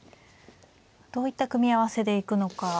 どういった組み合わせで行くのか。